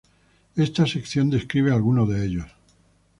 Esta sección describe algunos de ellos.